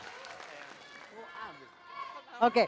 tepuk tangan dulu yang meriah